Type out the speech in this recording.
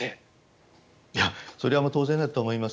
それは当然だと思います。